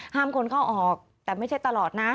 คนเข้าออกแต่ไม่ใช่ตลอดนะ